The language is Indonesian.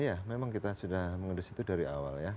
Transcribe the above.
iya memang kita sudah mengendus itu dari awal ya